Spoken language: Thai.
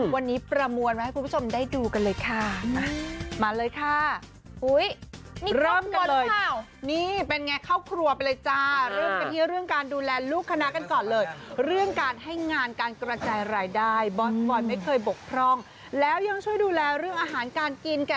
วันนี้ประมวลมาให้คุณผู้ชมได้ดูกันเลยค่ะ